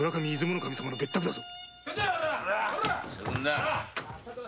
守様の別宅だぞ。